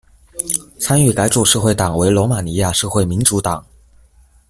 参与改组社会党为罗马尼亚社会民主党。